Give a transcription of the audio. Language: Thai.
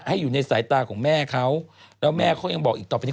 อยู่ในสายตาของแม่เขาแล้วแม่เขายังบอกอีกต่อไปนี้